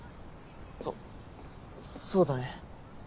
そそうだね。